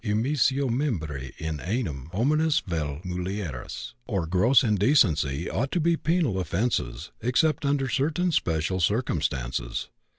immissio membri in anum hominis vel mulieris) nor "gross indecency" ought to be penal offenses, except under certain special circumstances.